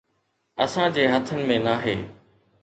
اسان جي هٿن ۾ ناهي